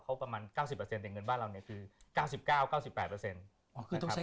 เขาประมาณก่าวสิบเปอร์เซ็นต์ในเงินบ้านเรานี่คือเงาด์สิบเก้าเก้าสิบแปดเปอร์เซ็นต์